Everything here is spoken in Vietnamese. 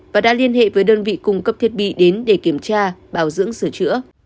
và đã liên hệ với đơn vị cung cấp thiết bị đến để kiểm tra bảo dưỡng sửa chữa